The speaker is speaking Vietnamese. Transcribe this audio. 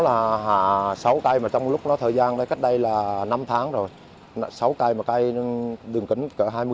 là hạ sáu cây mà trong lúc nó thời gian đây cách đây là năm tháng rồi sáu cây mà cây đường kính cỡ hai mươi phân